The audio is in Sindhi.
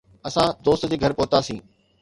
اسان دوست جي گهر پهتاسين.